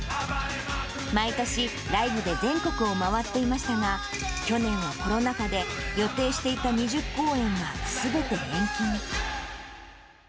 毎年ライブで全国を回っていましたが、去年はコロナ禍で予定していた２０公演がすべて延期に。